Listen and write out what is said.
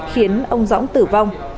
khiến ông dõng tử vong